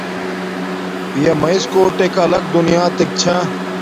پیا میس کوٹ ایک الاک دونیاتک چھا